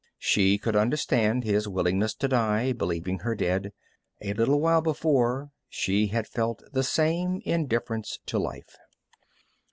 She could understand his willingness to die, believing her dead. A little while before she had felt the same indifference to life.